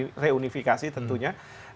itu reunifikasi tentunya